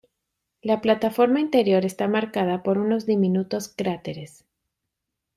La plataforma interior está marcada por unos diminutos cráteres.